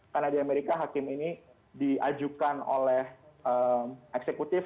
karena di amerika hakim ini diajukan oleh eksekutif